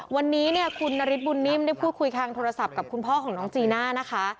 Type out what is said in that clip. วันนี้คุณนฤทธิ์บุญนิมได้คุยคลางโทรศัพท์กับคุณพ่อของน้องจีน่านะคะ